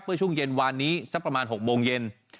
เมื่อช่วงเย็นวานนี้สักประมาณ๖โมงเย็น